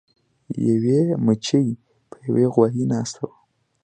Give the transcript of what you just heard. یوې مچۍ په یو غوایي ناسته وه.